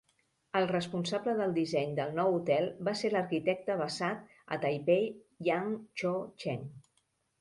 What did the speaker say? El responsable del disseny del nou hotel va ser l'arquitecte basat a Taipei Yang Cho-Cheng.